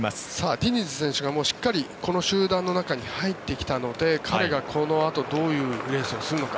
ディニズ選手がしっかりこの集団の中に入ってきたので彼がこのあとどういうレースをするのか。